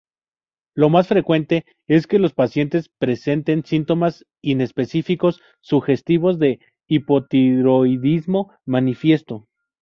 Lo más frecuente es que los pacientes presenten síntomas inespecíficos, sugestivos de hipotiroidismo manifiesto.